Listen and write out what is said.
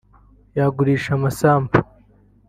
yagurisha amasambu